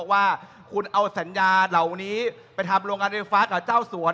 ว่าคุณเอาสัญญาเหล่านี้ไปทำโรงการไฟฟ้ากับเจ้าสวน